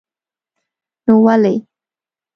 نو ولې.